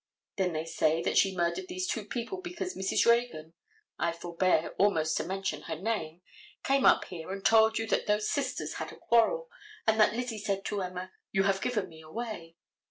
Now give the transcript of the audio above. Then they say that she murdered these two people because Mrs. Reagan, I forbear almost to mention her name, came up here and told you that those sisters had a quarrel, and that Lizzie said to Emma, "You have given me away."